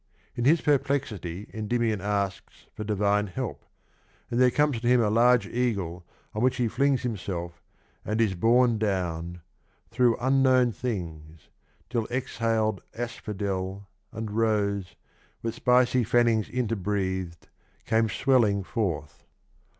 In his perplexity Endymion asks for divine help, and there comes to him a large eagle on which he flings him self and is borne down — Through unknown things ; till exhaled asphodel And rose, with spicy fannings interbreath'd, Came swelling forth.